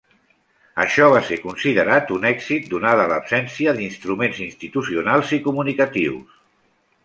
Això va ser considerat un èxit donada l'absència d'instruments institucionals i comunicatius.